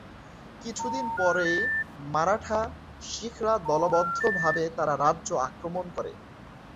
কিছুদিন পরেই মারাঠা, শিখরা দলবদ্ধভাবে তার রাজ্য আক্রমণ করে।